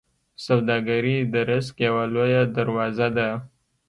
سوداګري د رزق یوه لویه دروازه ده.